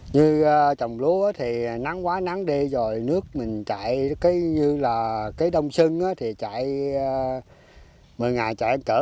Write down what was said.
như trồng lúa thì nắng quá nắng đi rồi nước mình chạy cái như là cái đông sưng thì chạy một mươi ngày chạy cỡ